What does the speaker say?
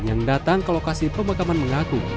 yang datang ke lokasi pemakaman mengaku